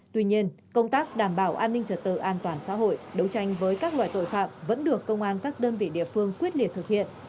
tuy nhiên công tác đảm bảo an ninh trật tự an toàn xã hội đấu tranh với các loại tội phạm vẫn được công an các đơn vị địa phương quyết liệt thực hiện